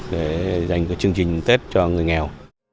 để dành cho chương trình tết cho người nghèo